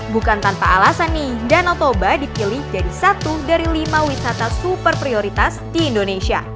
bukan tanpa alasan nih danau toba dipilih jadi satu dari lima wisata super prioritas di indonesia